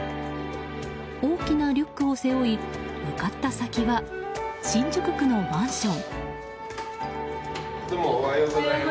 大きなリュックを背負い向かった先は新宿区のマンション。